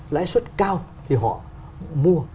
lãi suất cao thì họ mua